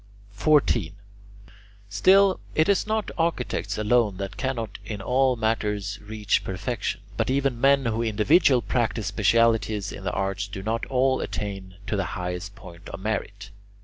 14. Still, it is not architects alone that cannot in all matters reach perfection, but even men who individually practise specialties in the arts do not all attain to the highest point of merit.